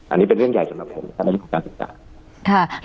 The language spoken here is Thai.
อันนี้เป็นเรื่องใหญ่สำหรับผมนะครับในเรื่องของการศึกษา